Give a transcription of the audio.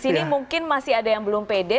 ini mungkin masih ada yang belum pede